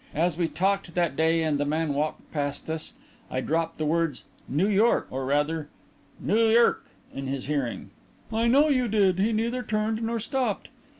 As we talked that day and the man walked past us, I dropped the words 'New York' or, rather, 'Noo Y'rk' in his hearing." "I know you did. He neither turned nor stopped."